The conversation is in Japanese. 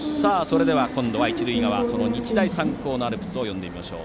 今度は一塁側日大三高のアルプスを呼んでみましょう。